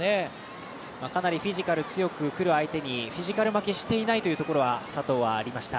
かなりフィジカル強く来る相手にフィジカル負けしていないというところは佐藤はありました。